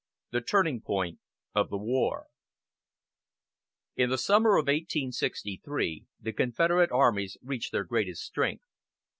XI. THE TURNING POINT OF THE WAR In the summer of 1863 the Confederate armies reached their greatest strength.